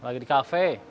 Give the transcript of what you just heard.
lagi di kafe